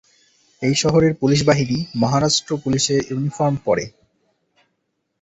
এই শহরের পুলিশ বাহিনী মহারাষ্ট্র পুলিশের ইউনিফর্ম পরে।